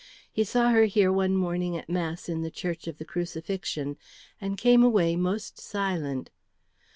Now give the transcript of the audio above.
He saw her here one morning at Mass in the Church of the Crucifixion, and came away most silent.